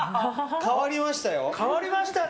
変わりましたね。